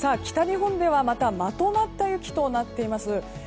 北日本では、またまとまった雪となっています。